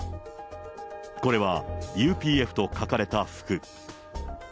これはＵＰＦと書かれた服。